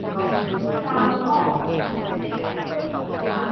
ล้างออก